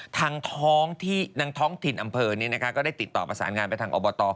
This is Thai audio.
ทางท้องถิ่นอำเภอนี้นะคะก็ได้ติดต่อประสานงานไปทางอบต